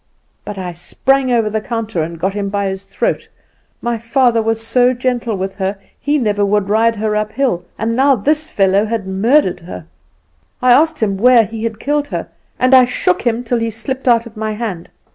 "But I sprung over the counter, and got him by his throat. My father was so gentle with her; he never would ride her up hill, and now this fellow had murdered her! I asked him where he had killed her, and I shook him till he slipped out of my hand.